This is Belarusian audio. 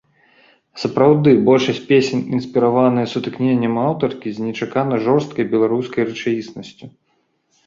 Сапраўды, большасць песень інспіраваныя сутыкненнем аўтаркі з нечакана жорсткай беларускай рэчаіснасцю.